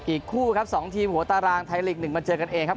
อีกคู่ครับ๒ทีมหัวตารางไทยลีก๑มาเจอกันเองครับ